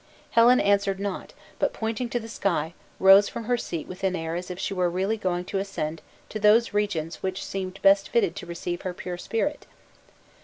Helen answered not; but pointing to the sky, rose from her seat with an air as if she were really going to ascend to those regions which seemed best fitted to receive her pure spirit.